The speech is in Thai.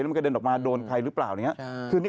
มันกระเด็นออกมาโดนใครหรือเปล่าอย่างนี้